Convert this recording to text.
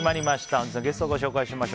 本日のゲストご紹介します。